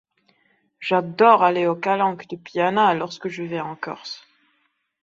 J'adore aller aux calanques de Piana lorsque je vais en Corse.